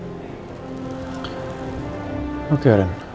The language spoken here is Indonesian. pimpinan redaksinya bilang tidak ada pak